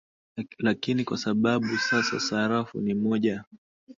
lakini kwa sababu sasa sarafu ni moja